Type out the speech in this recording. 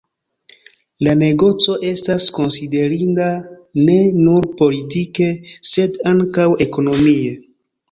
La negoco estas konsiderinda ne nur politike, sed ankaŭ ekonomie.